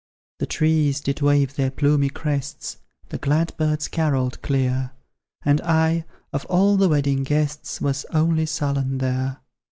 The trees did wave their plumy crests, The glad birds carolled clear; And I, of all the wedding guests, Was only sullen there!